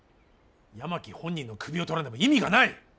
山木本人の首を取らねば意味がない。